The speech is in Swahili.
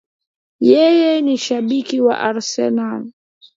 yeye ni shabiki wa arsenali.